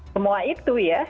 semua itu ya